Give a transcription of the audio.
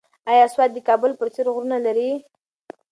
ایا سوات د کابل په څېر غرونه لري؟